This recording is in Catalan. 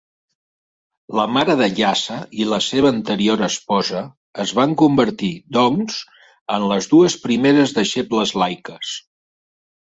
La mare de Yasa i la seva anterior esposa es van convertir, doncs, en les dues primeres deixebles laiques.